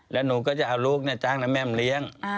แล้วหนูก็จะเอาลูกเนี่ยจ้างแล้วแม่มันเลี้ยง